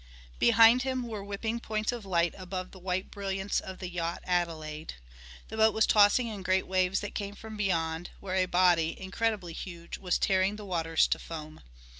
Behind him were whipping points of light above the white brilliance of the yacht Adelaide. The boat was tossing in great waves that came from beyond, where a body, incredibly huge, was tearing the waters to foam.